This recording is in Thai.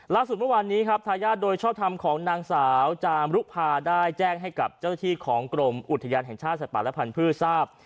ล่าสุดเมื่อวานนี้ทายาทโดยชอบทำของนางสาวจามรุภาได้แจ้งให้กับเจ้าที่ของกรมอุทยานแห่งชาติสรรพันธ์และพันธุ์พื้นทราบ